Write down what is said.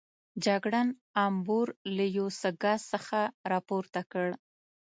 جګړن امبور له یو څه ګاز سره راپورته کړ.